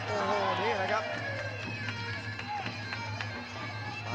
โอ้โหนี่แหละครับ